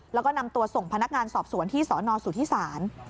แล้วก็นำตัวส่งพนักงานสอบสวนที่สนสุธิศาล